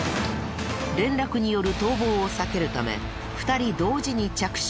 連絡による逃亡を避けるため２人同時に着手。